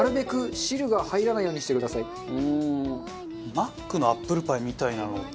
マックのアップルパイみたいなのって。